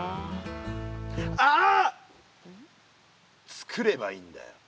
つくればいいんだよ。